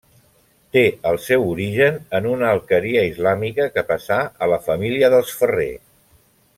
Té el seu origen en una alqueria islàmica que passà a la família dels Ferrer.